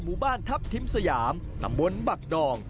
หมู่บ้านทัพทิมสยามตำบลบักดอง